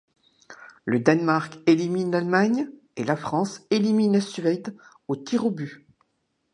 Le Danemark élimine l'Allemagne et la France élimine la Suède aux tirs au but.